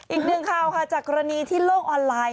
อีกหนึ่งข่าวค่ะจากกรณีที่โลกออนไลน์